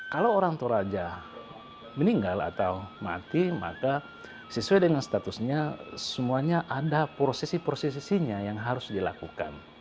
kalau orang toraja meninggal atau mati maka sesuai dengan statusnya semuanya ada prosesi prosesinya yang harus dilakukan